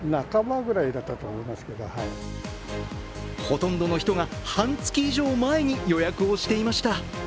ほとんどの人が半月以上前に予約をしていました。